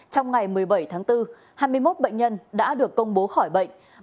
trong ngày một mươi bảy tháng bốn hai mươi một bệnh nhân đã được công bố khỏi bệnh